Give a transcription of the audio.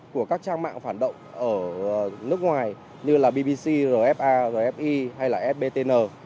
của các trang mạng phản động ở nước ngoài như là bbc rfa rfi hay là fbtn